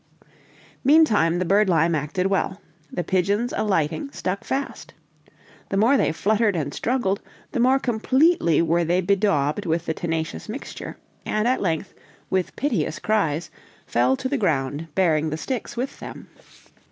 Meantime, the birdlime acted well: the pigeons alighting, stuck fast. The more they fluttered and struggled, the more completely were they bedaubed with the tenacious mixture, and at length, with piteous cries, fell to the ground, bearing the sticks with them.